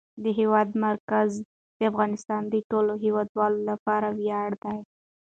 د هېواد مرکز د افغانستان د ټولو هیوادوالو لپاره ویاړ دی.